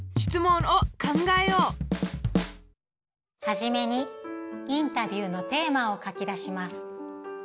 初めにインタビューのテーマを書き出します。